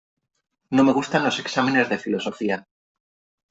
No me gustan los exámenes de filosofía.